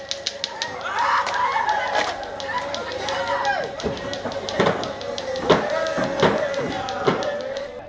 menangkap rambu solo